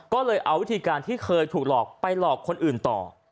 ก็เลยเอาวิธีการที่เคยถูกหลอกไปหลอกคนอื่นต่อ